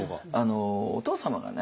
お父様がね